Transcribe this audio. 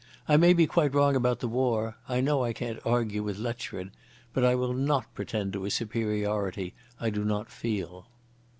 I may be quite wrong about the war.... I know I can't argue with Letchford. But I will not pretend to a superiority I do not feel."